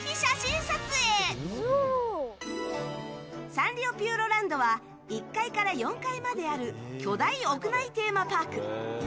サンリオピューロランドは１階から４階まである巨大屋内テーマパーク。